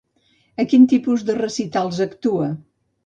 A quin tipus de recitals actua?